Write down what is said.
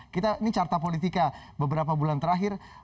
kita ini carta politika beberapa bulan terakhir